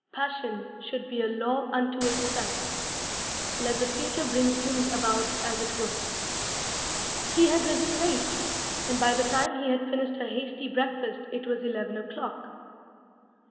Passion should be a law unto itself. Let the future bring things about as it would. He had risen late, and by the time he had finished a hasty breakfast it was eleven o'clock.